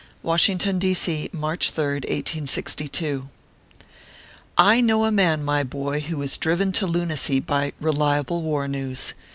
WASHINGTON, D. ., March 8d, 1S62. I KNOW a man, my boy, who was driven to lunacy by reliable war news.